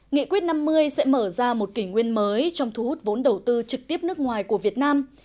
nghị quyết năm mươi sẽ mở ra một kỷ nguyên mới trong thu hút vốn đầu tư trực tiếp nước ngoài của việt nam